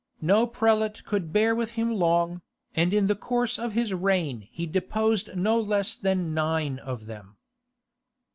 No prelate could bear with him long, and in the course of his reign he deposed no less than nine of them.